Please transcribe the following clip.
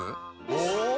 お！